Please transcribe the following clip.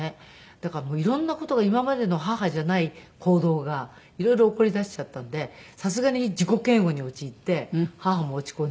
だから色んな事が今までの母じゃない行動が色々起こりだしちゃったんでさすがに自己嫌悪に陥って母も落ち込んじゃって。